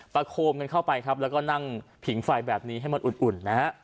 โคมกันเข้าไปครับแล้วก็นั่งผิงไฟแบบนี้ให้มันอุ่นนะฮะ